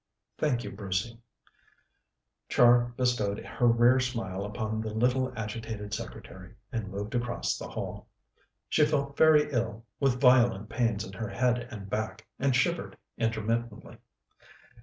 "Thank you, Brucey." Char bestowed her rare smile upon the little agitated secretary, and moved across the hall. She felt very ill, with violent pains in her head and back, and shivered intermittently.